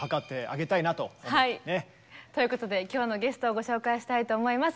ということで今日のゲストをご紹介したいと思います。